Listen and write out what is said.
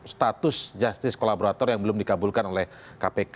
status justice kolaborator yang belum dikabulkan oleh kpk